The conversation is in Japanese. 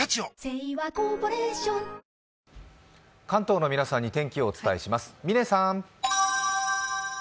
関東の皆さんに天気をお伝えします。